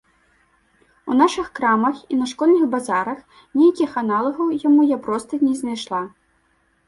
У нашых крамах і на школьных базарах нейкіх аналагаў яму я проста не знайшла.